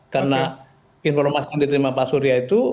karena informasi yang diterima pak surya itu